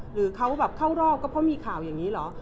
หรือเขาแบบเข้ารอบก็เพราะมีข่าวอย่างนี้เหรอ